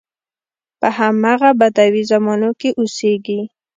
په همغه بدوي زمانو کې اوسېږي.